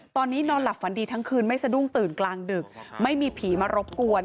ตอนนี้นอนหลับฝันดีทั้งคืนไม่สะดุ้งตื่นกลางดึกไม่มีผีมารบกวน